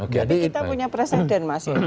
tapi kita punya presiden masih